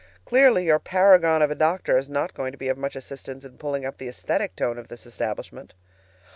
Clearly, your paragon of a doctor is not going to be of much assistance in pulling up the esthetic tone of this establishment.